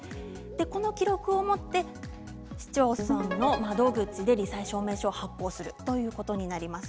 この記録を持って市町村の窓口でり災証明書を発行するということになります。